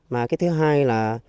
mà cái thứ hai là